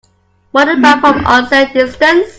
What about from an unsafe distance?